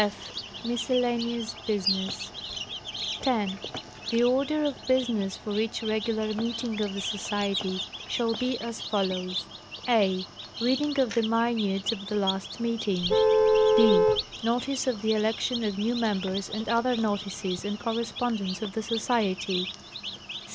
jf. Miscellaneous business. 10.—The order of business for each regular meeting of the Society shall be as follows : a. Reading of the minutes of the last meeting. b. Notice of the election of new members and other _ hotices and correspondence of the Society.